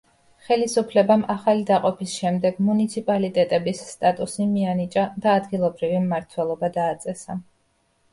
ხელისუფლებამ ახალი დაყოფის შემდეგ მუნიციპალიტეტების სტატუსი მიანიჭა და ადგილობრივი მმართველობა დააწესა.